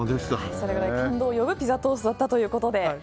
感動を呼ぶピザトーストだったということで。